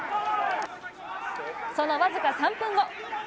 その僅か３分後。